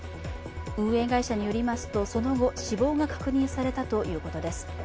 運営会社によりますと、その後、死亡が確認されたということです。